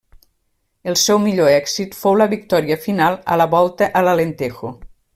El seu millor èxit fou la victòria final a la Volta a l'Alentejo.